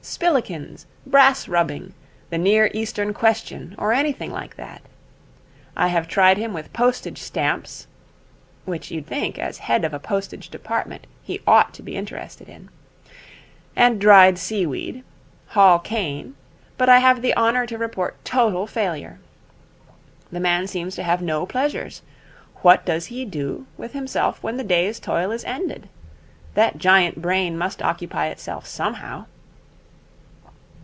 Spillikins, brass rubbing, the Near Eastern Question, or anything like that? I have tried him with postage stamps (which you'd think, as head of a postage department, he ought to be interested in), and dried seaweed, Hall Caine, but I have the honour to report total failure. The man seems to have no pleasures. What does he do with himself when the day's toil is ended? That giant brain must occupy itself somehow.'